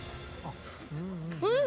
うん！